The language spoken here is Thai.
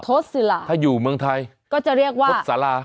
โทสิล่าถ้าอยู่เมืองไทยโทสลาก็จะเรียกว่า